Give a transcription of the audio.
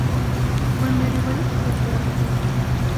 Быны революция талап итә.